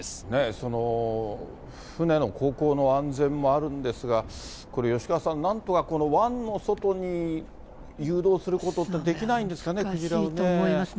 その船の航行の安全もあるんですが、吉川さん、なんとか湾の外に誘導することって、できないんですかね、クジラただいま。